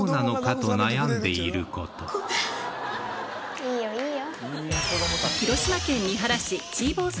いいよいいよ。